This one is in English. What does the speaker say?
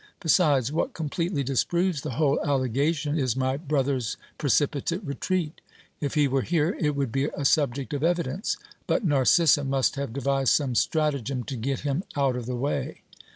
Besides, what completely disproves the whole allegation, is my brother's precipitate retreat : if he were here, it would be a subject of evidence ; but Narcissa must have devised some stratagem to get him out of the way.